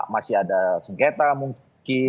masih ada sengketa mungkin